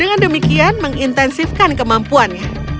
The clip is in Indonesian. dengan demikian mengintensifkan kemampuannya